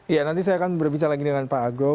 ya nanti saya akan berbicara lagi dengan pak argo